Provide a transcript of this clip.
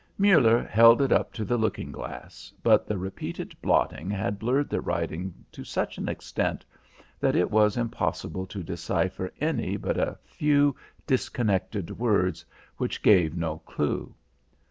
Muller held it up to the looking glass, but the repeated blotting had blurred the writing to such an extent that it was impossible to decipher any but a few disconnected words, which gave no clue.